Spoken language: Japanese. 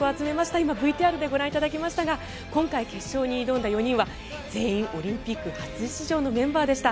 今、ＶＴＲでご覧いただきましたが今回決勝に挑んだ４人は全員オリンピック初出場のメンバーでした。